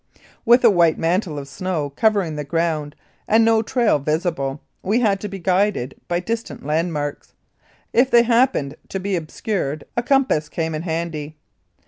With a white mantle of snow covering the ground, and no trail visible, we had to be guided by distant landmarks. If they happened to be obscured a compass came in handy.